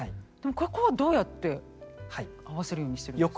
ここはどうやって合わせるようにしてるんですか。